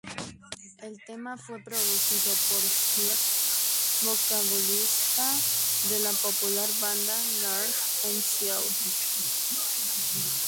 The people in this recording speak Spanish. El tema fue producido por Hyde, vocalista de la popular banda L'Arc~en~Ciel.